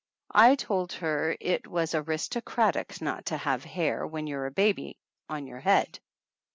I told her it was aristocratic not to have hair when you're a baby, on your head.